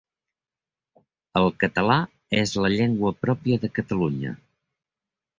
El català és la llengua pròpia de Catalunya.